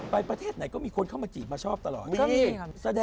ประเทศไหนก็มีคนเข้ามาจีบมาชอบตลอด